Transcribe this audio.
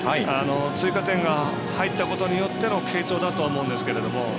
追加点が入ったことによっての継投だと思うんですけど。